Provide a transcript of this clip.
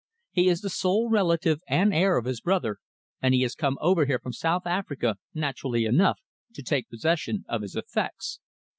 He is the sole relative and heir of his brother, and he has come over here from South Africa, naturally enough, to take possession of his effects.